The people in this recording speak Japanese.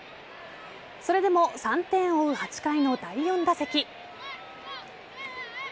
それでも３点を追う８回の第４打席。